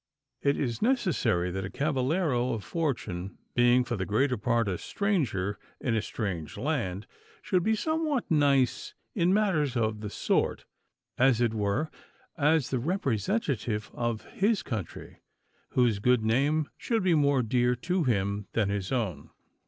It is necessary that a cavaliero of fortune, being for the greater part a stranger in a strange land, should be somewhat nice in matters of the sort, since he stands, as it were, as the representative of his country, whose good name should be more dear to him than his own.